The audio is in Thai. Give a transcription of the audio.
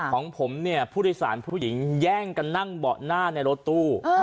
ของผมเนี่ยผู้โดยสารผู้หญิงแย่งกันนั่งเบาะหน้าในรถตู้